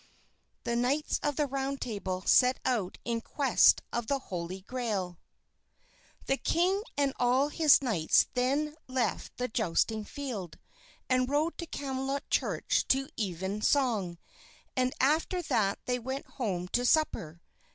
The Knights of the Round Table Set Out in Quest of the Holy Grail The king and all his knights then left the jousting field, and rode to Camelot Church to evensong; and after that they went home to supper.